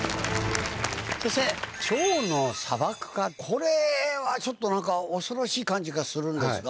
これはちょっと何か恐ろしい感じがするんですが。